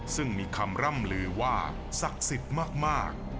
ซึ่งมีคำร่ำลือว่าศักดิ์สิทธิ์มาก